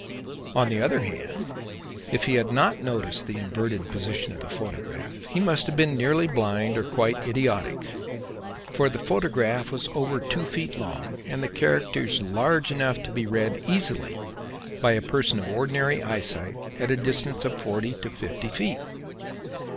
On the other hand, if he had not noticed the inverted position of the photograph he must have been nearly blind or quite idiotic; for the photograph was over two feet long and the characters large enough to be read easily by a person of ordinary eyesight at a distance of forty or fifty feet.